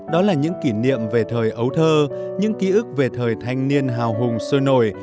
đó là những kỷ niệm về thời ấu thơ những ký ức về thời thanh niên hào hùng sôi nổi